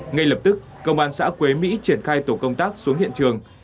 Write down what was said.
ngay lập tức công an xã quế mỹ triển khai tổ công tác xuống hiện trường